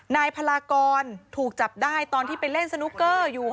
นายพลากรถูกจับได้ตอนที่ไปเล่นสนุกเกอร์อยู่